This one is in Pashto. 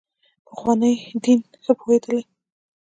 پخواني دین ښه پوهېدلي.